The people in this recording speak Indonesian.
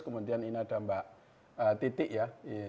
kemudian ini ada mbak titik ya